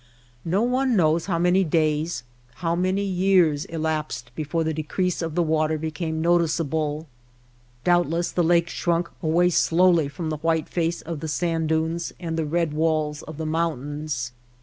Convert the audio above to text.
No one knows how many days, how many years, elapsed before the decrease of the water became noticeable. Doubtless the lake shrunk away slowly from the white face of the sand dunes and the red walls of the mountains.